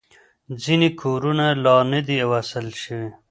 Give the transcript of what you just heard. ځینې کورونه لا نه دي وصل شوي.